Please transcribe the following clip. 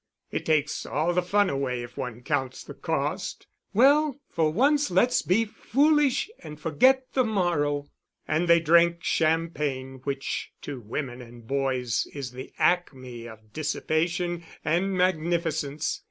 "It takes all the fun away if one counts the cost." "Well, for once let us be foolish and forget the morrow." And they drank champagne, which to women and boys is the acme of dissipation and magnificence.